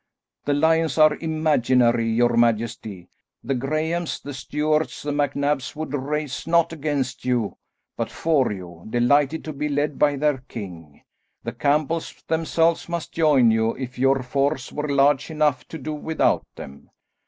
"The lions are imaginary, your majesty. The Grahams, the Stewarts, the MacNabs would rise not against you, but for you, delighted to be led by their king. The Campbells themselves must join you, if your force were large enough to do without them.